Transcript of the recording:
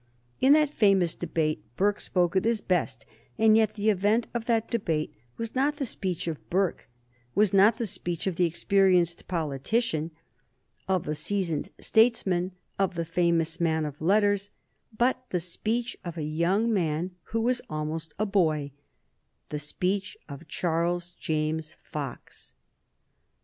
In that famous debate Burke spoke at his best, and yet the event of that debate was not the speech of Burke, was not the speech of the experienced politician, of the seasoned statesman, of the famous man of letters, but the speech of a young man who was almost a boy, the speech of Charles James Fox.